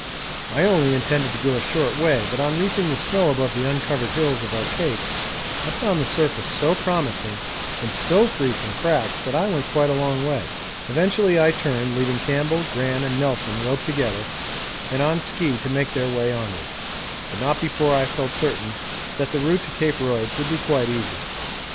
I only intended to go a short way, but on reaching the snow above the uncovered hills of our Cape I found the surface so promising and so free from cracks that I went quite a long way. Eventually I turned, leaving Campbell, Gran, and Nelson roped together and on ski to make their way onward, but not before I felt certain that the route to Cape Royds would be quite easy.